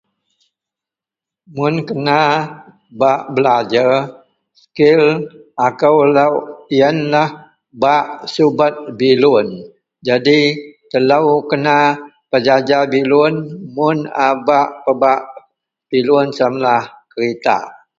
Mun kena bak belajer skil, akou lok yenlah bak subet bilun jadi telou kena pejaja bilun mun a bak pebak bilun samalah keritak.